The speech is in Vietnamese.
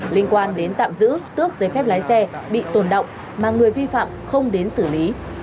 liên quan đến tạm giữ tước giấy phép lái xe bị tồn động mà người vi phạm không đến xử lý